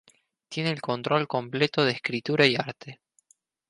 Tiene el control completo de escritura y arte.